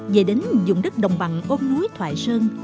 về đến vùng đất đồng bằng ôn núi thoại sơn